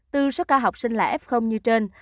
từ số ca học sinh là f như trên